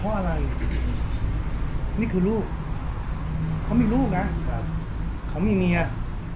เขาอยากมีส่วนร่วมในเรื่องของพี่ละสองดีกว่าหมายความว่าเขาถึงได้